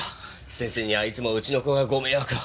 先生にはいつもうちの子がご迷惑を。